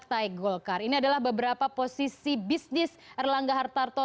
dan ini adalah beberapa posisi bisnis erlangga hartarto